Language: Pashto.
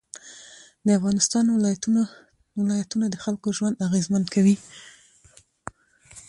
د افغانستان ولایتونه د خلکو ژوند اغېزمن کوي.